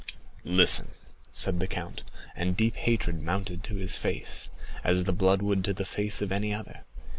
"Listen," said the count, and deep hatred mounted to his face, as the blood would to the face of any other.